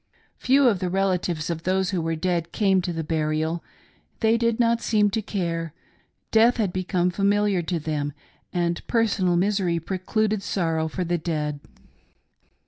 Few of the relatives of those who were dead came to the burial — they did not seem to care — death had become familiar to them, and personal misery precluded sorrow for the dead.